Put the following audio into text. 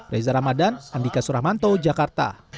reza ramadan andika suramanto jakarta